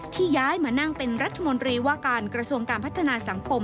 ย้ายมานั่งเป็นรัฐมนตรีว่าการกระทรวงการพัฒนาสังคม